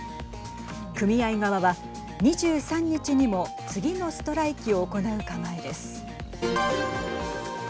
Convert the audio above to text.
組合側は、２３日にも次のストライキを行う構えです。